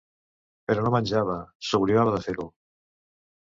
Però no menjava; s'oblidava de fer-ho.